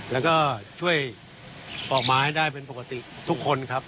แล้วก็ช่วยออกมาให้ได้เป็นปกติทุกคนครับ